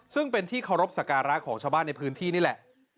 ซึ่งเป็นที่เคารพสการะของชาวบ้านในพื้นที่นี่แหละ